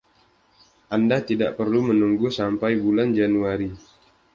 Anda tidak perlu menunggu sampai bulan Januari.